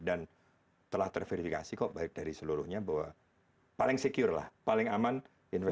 dan telah terverifikasi kok baik dari seluruhnya bahwa paling secure lah paling aman investasi di jasa raja